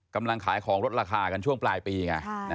กำลังขายของลดราคากันช่วงปลายปีไง